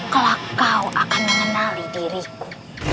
kalau kau akan mengenali diriku